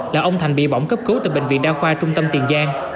là ông thành bị bỏng cấp cứu tại bệnh viện đa khoa trung tâm tiền giang